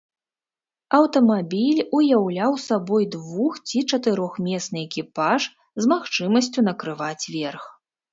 Аўтамабіль ўяўляў сабой двух- ці чатырохмесны экіпаж, з магчымасцю накрываць верх.